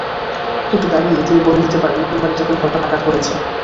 একটু দাঁড়িয়েই তিনি বলে দিতে পারেন, কোন বাড়িতে কোন ফলটা পাকা ধরেছে।